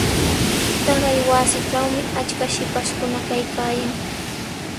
Taqay wasitrawmi achkaq shipashkuna kaykaayan.